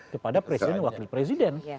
kepada presiden wakil presiden